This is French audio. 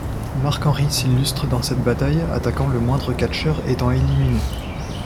Mark Henry s'illustre dans cette bataille, attaquant le moindre catcheur étant éliminé.